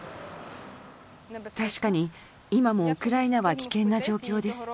確かに、今もウクライナは危険な状況です。